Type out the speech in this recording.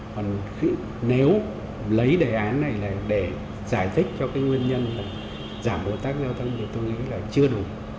còn nếu lấy đề án này để giải thích cho cái nguyên nhân là giảm ủng tắc giao thông thì tôi nghĩ là chưa đủ